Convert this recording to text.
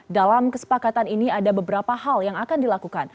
dalam kesepakatan ini ada beberapa hal yang akan dilakukan